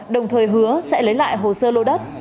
đồng thời hứa sẽ lấy lại hồ sơ lô đất